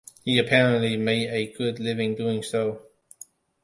He apparently made a good living doing so.